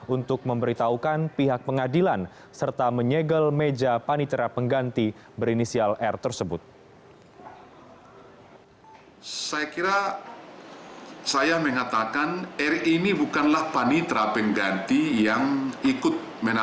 untuk memberitahukan pihak pengadilan serta menyegel meja panitera pengganti berinisial r tersebut